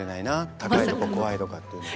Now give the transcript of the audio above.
高いとこ怖いとかっていうのは。